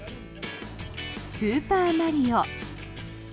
「スーパーマリオ」